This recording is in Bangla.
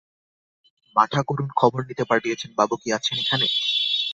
মাঠাকরুন খবর নিতে পাঠিয়েছেন বাবু কি আছেন এখানে?